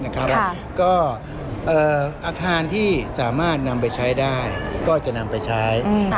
ก็อาคารที่สามารถนำไปใช้ได้ก็จะนำไปใช้